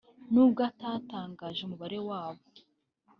n’ubwo atatangaje umubare wabo